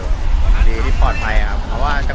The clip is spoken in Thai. วันนี้เราจะมาจอดรถที่แรงละเห็นเป็น